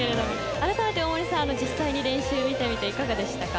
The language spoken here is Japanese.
改めて大森さん実際に練習を見ていかがでしたか？